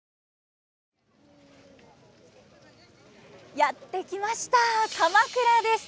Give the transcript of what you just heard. やって来ました鎌倉です。